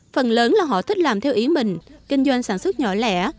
phần lớn là họ thích làm theo ý mình kinh doanh sản xuất nhỏ lẻ